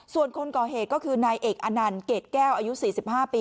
ส่วนคนก่อเหตุก็คือนายเอกอนันต์เกรดแก้วอายุ๔๕ปี